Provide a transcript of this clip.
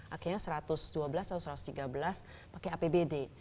akhirnya satu ratus dua belas atau satu ratus tiga belas pakai apbd